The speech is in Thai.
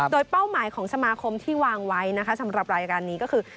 โดยเป้าหมายของสมาคมที่วางไว้นะคะสำหรับรายการนี้ก็คือ